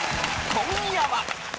今夜は。